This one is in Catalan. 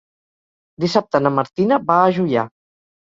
Dissabte na Martina va a Juià.